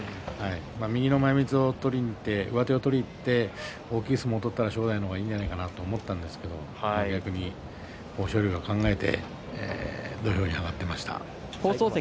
右の前みつを取りにいって上手を取りにいって大きい相撲を取ったら正代の方がいいと思ったんですが逆に豊昇龍が考えて土俵に上がっていました。